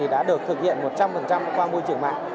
đã được thực hiện một trăm linh qua môi trường mạng